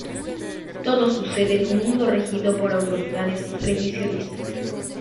Todo sucede en un mundo regido por autoridades revisionistas.